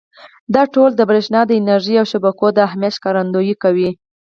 دا ټول د برېښنا د انرژۍ او شبکو د اهمیت ښکارندويي کوي.